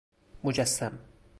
مجسم